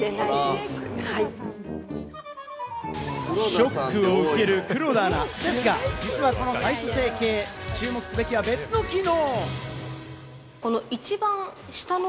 ショックを受ける黒田アナですが、この体組成計、注目すべきは別の機能。